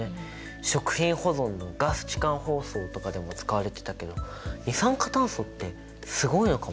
食品保存のガス置換包装とかでも使われてたけど二酸化炭素ってすごいのかも。